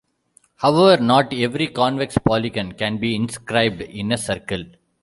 However, not every convex polygon can be inscribed in a circle.